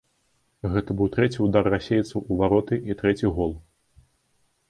Гэта быў трэці ўдар расейцаў у вароты і трэці гол.